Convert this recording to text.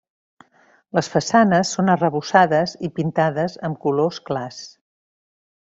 Les façanes són arrebossades i pintades amb colors clars.